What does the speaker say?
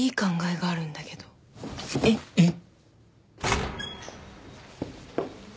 えっ？えっ？